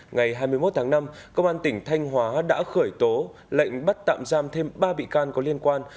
ngày hai mươi một tháng năm công an tỉnh thanh hóa đã khởi tố lệnh bắt tạm giam thêm ba bị can có liên quan